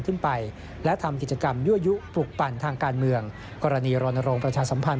ขึ้นไปและทำกิจกรรมยั่วยุปลุกปั่นทางการเมืองกรณีรณรงค์ประชาสัมพันธ